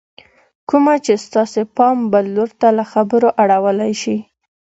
کومه چې ستاسې پام بل لور ته له خبرو اړولی شي